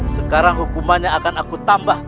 sekarang hukumannya akan aku tambah